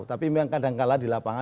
tapi memang kadang kalah di lapangan